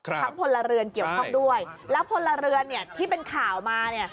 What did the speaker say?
พลเรือนเกี่ยวข้องด้วยแล้วพลเรือนเนี่ยที่เป็นข่าวมาเนี่ย